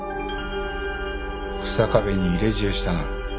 日下部に入れ知恵したな？